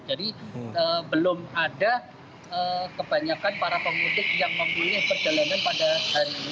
jadi belum ada kebanyakan para pengutik yang mempunyai perjalanan pada hari ini